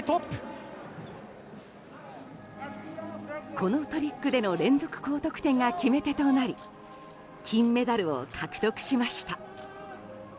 このトリックでの連続高得点が決め手となり金メダルを獲得しました。